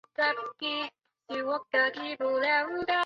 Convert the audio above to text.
校务委员会主席和校长获准请辞。